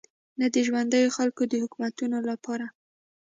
نه د ژونديو خلکو د حکومتونو لپاره.